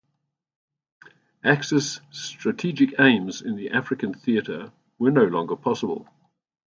Axis strategic aims in the African theatre were no longer possible.